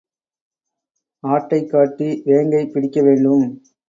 ஆட்டைக் காட்டி வேங்கை பிடிக்க வேண்டும்.